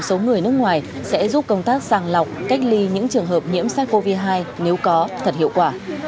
số người nước ngoài sẽ giúp công tác sàng lọc cách ly những trường hợp nhiễm sars cov hai nếu có thật hiệu quả